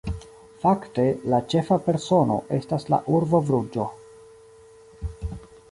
Fakte, la ĉefa persono estas la urbo Bruĝo.